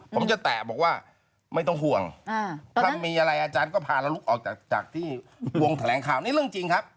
ผมจะแตะบอกว่าไม่ต้องห่วงถ้ามีอะไรอาจารย์ก็พาเราลุกออกจากที่วงแถลงข่าวนี้เรื่องจริงครับ